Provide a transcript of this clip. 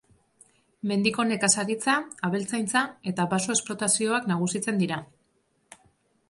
Mendiko nekazaritza, abeltzaintza eta baso-esplotazioak nagusitzen dira.